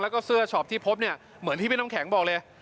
แล้วก็เสื้อช็อปที่พบเนี่ยเหมือนที่พี่น้ำแข็งบอกเลย